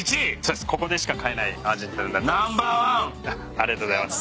ありがとうございます。